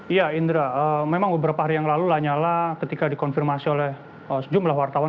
iya indra memang beberapa hari yang lalu lanyala ketika dikonfirmasi oleh sejumlah wartawan